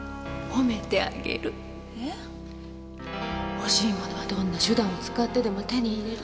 欲しいものはどんな手段を使ってでも手に入れる。